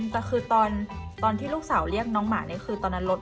แต่คือตอนที่ลูกสาวเรียกน้องหมาตอนนั้นรถก็เปิดว่าแตงโมมา